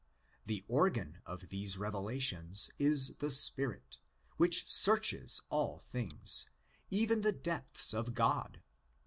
The organ of these revelations is the Spirit, which searches all things, even the depths of God (ii.